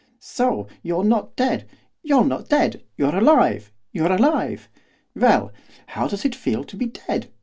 'So you're not dead! you're not dead: you're alive! you're alive! Well, how does it feel to be dead?